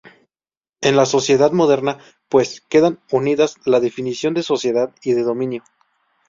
En la sociedad moderna, pues, quedan unidas la definición de sociedad y de dominio.